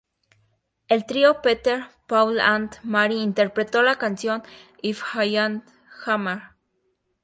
El trío Peter, Paul and Mary interpretó la canción If I Had a Hammer.